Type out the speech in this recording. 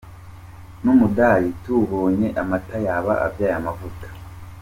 N’umudali tuwubonye amata yaba abyaye amavuta.